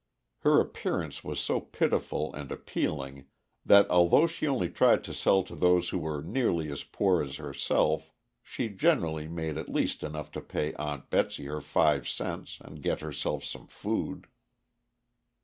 Her appearance was so pitiful and appealing that although she only tried to sell to those who were nearly as poor as herself, she generally made at least enough to pay Aunt Betsy her five cents and get herself some food.